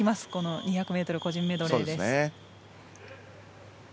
２００ｍ個人メドレーです。